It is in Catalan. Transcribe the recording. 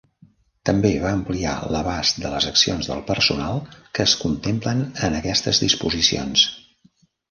També va ampliar l'abast de les accions del personal que es contemplen en aquestes disposicions.